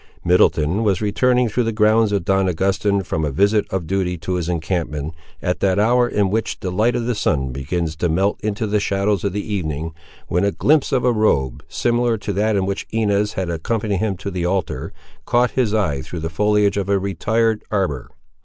Middleton was returning through the grounds of Don Augustin, from a visit of duty to his encampment, at that hour in which the light of the sun begins to melt into the shadows of evening, when a glimpse of a robe, similar to that in which Inez had accompanied him to the altar, caught his eye through the foliage of a retired arbour.